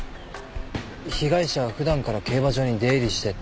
被害者は普段から競馬場に出入りしてた。